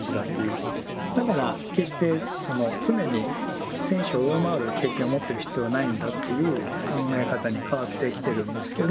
だから決してその常に選手を上回る経験を持ってる必要はないんだという考え方に変わってきてるんですけど。